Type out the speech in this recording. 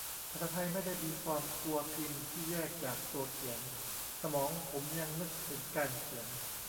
ภาษาไทยไม่ได้มีฟอร์มตัวพิมพ์ที่แยกจากตัวเขียน สมองผมยังนึกถึงการเขียน